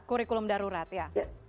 kurikulum darurat ya